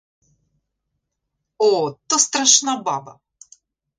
О, то страшна баба!